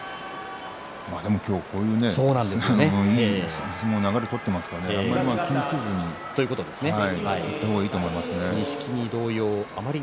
こういういい相撲を取っていますからねあまり気にせずにいった方がいいと思います。